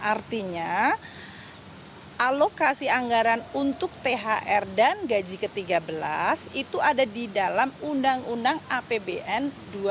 artinya alokasi anggaran untuk thr dan gaji ke tiga belas itu ada di dalam undang undang apbn dua ribu dua puluh